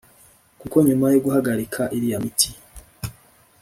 kuko nyuma yo guhagarika iriya miti